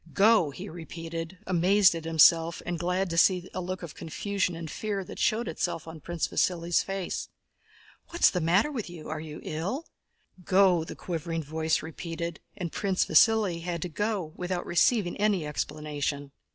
"Go!" he repeated, amazed at himself and glad to see the look of confusion and fear that showed itself on Prince Vasíli's face. "What's the matter with you? Are you ill?" "Go!" the quivering voice repeated. And Prince Vasíli had to go without receiving any explanation.